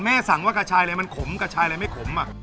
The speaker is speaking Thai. สั่งว่ากระชายอะไรมันขมกระชายอะไรไม่ขม